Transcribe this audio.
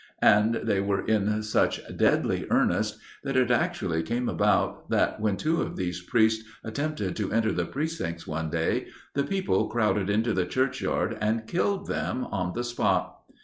And they were in such deadly earnest that it actually came about that, when two of these priests attempted to enter the precincts one day, the people crowded into the churchyard and killed them on the spot.